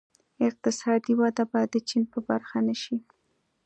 اقتصادي وده به د چین په برخه نه شي.